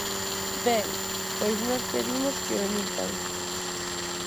Ben, pois nós pedimos que o emitan.